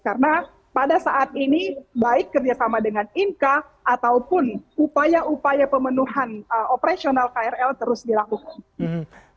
karena pada saat ini baik kerjasama dengan inka ataupun upaya upaya pemenuhan operasional krl terus dilakukan